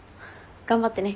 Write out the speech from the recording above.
頑張ってね。